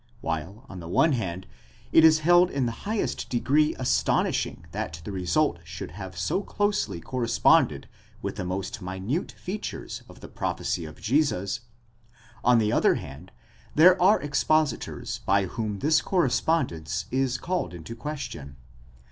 * While, on the one hand, it is held in the highest degree astonishing that the result should have so closely corresponded with the most minute features of the prophecy of Jesus; on the other hand, there are expositors by whom this correspondence is called in question.